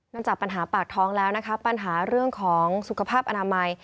จากปัญหาปากท้องแล้วนะคะปัญหาเรื่องของสุขภาพอนามัย